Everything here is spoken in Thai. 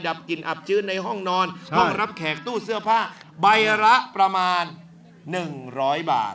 ดับกลิ่นอับชื้นในห้องนอนห้องรับแขกตู้เสื้อผ้าใบละประมาณ๑๐๐บาท